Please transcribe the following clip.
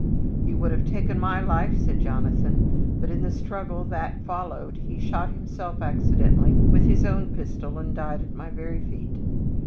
"He would have taken my life," said Jonathan, "but in the struggle that followed he shot himself accidentally with his own pistol, and died at my very feet.